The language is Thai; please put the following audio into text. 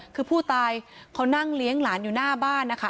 คือผู้ตายเขานั่งเลี้ยงหลานอยู่หน้าบ้านนะคะ